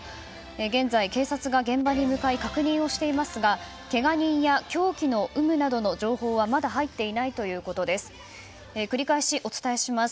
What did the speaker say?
現在、警察が現場に向かい確認をしていますがけが人や凶器の有無などの情報はまだ入っていないということです。